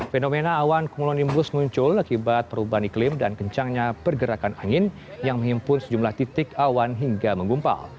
fenomena awan cumulonimbus muncul akibat perubahan iklim dan kencangnya pergerakan angin yang menghimpun sejumlah titik awan hingga menggumpal